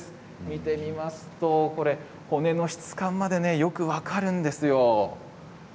見てみますと骨の質感までよく分かるんですよ。